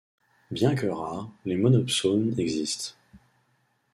Bien que rares, les monopsones existent.